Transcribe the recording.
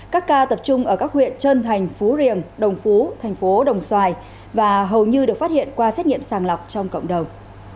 các ca tập trung ở các huyện trân thành phú riềng đồng phú thành phố đồng xoài và hầu như được phát hiện qua xét nghiệm sàng lọc trong cộng đồng